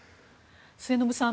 末延さん